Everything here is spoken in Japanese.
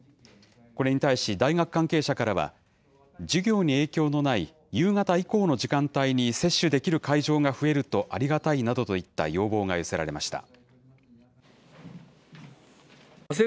これに対し大学関係者からは、授業に影響のない夕方以降の時間帯に接種できる会場が増えるとありがたいなどといった要望が寄せられました。